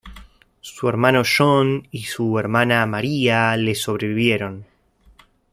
Su hermano John y su hermana Maria le sobrevivieron.